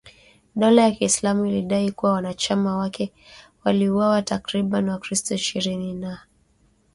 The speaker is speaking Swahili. dola ya kiislamu ilidai kuwa wanachama wake waliwauwa takribani wakristo ishirini na